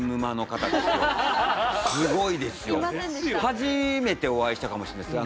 初めてお会いしたかもしんないです